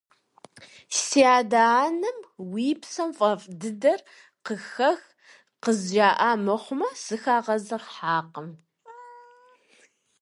Си адэ-анэм «уи псэм фӀэфӀ дыдэр къыхэх» къызжаӀа мыхъумэ, сыхагъэзыхьакъым.